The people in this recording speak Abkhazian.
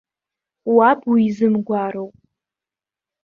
Уаб уизымгәаароуп.